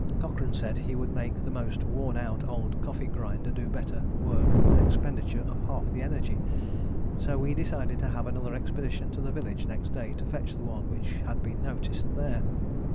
Cochrane said he would make the most worn out old coffee grinder do better work with the expenditure of half the energy, so we decided to have another expedition to the village next day to fetch the one which had been noticed there.